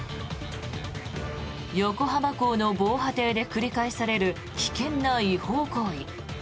横浜港の防波堤で繰り返される危険な違法行為。